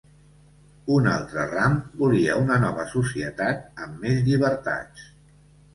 Un altre ram volia una nova societat amb més llibertats.